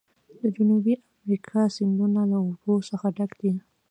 د جنوبي امریکا سیندونه له اوبو څخه ډک دي.